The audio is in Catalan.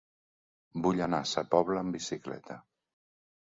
Vull anar a Sa Pobla amb bicicleta.